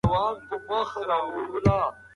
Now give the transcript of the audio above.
خیر محمد په خپلو قدمونو کې د ژوند د ستړیا درد حس کړ.